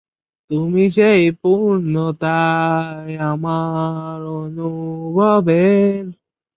এই প্রতিটি প্রজনন প্রভাবিত করে এবং চিকিৎসা প্রতিক্রিয়া প্রভাবিত করতে পারে।